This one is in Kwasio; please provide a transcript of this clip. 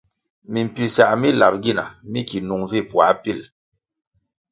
Mimpisah mi lap gina mi ki nung vi puā pil.